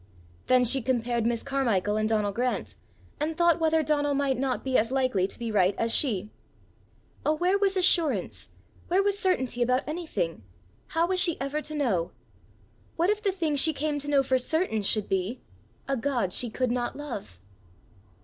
Then she compared Miss Carmichael and Donal Grant, and thought whether Donal might not be as likely to be right as she. Oh, where was assurance, where was certainty about anything! How was she ever to know? What if the thing she came to know for certain should be a God she could not love!